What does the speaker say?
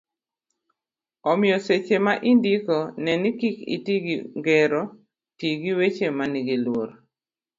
omiyo seche ma indiko ne kik iti gi gero, ti gi weche manigi luor